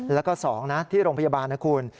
แล้วก็๒นะที่โรงพยาบาลนะคุณ